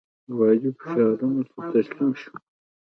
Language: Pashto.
والي فشارونو ته تسلیم شو.